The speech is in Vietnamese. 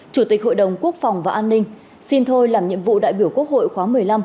chủ tịch hội đồng quốc phòng và an ninh xin thôi làm nhiệm vụ đại biểu quốc hội khóa một mươi năm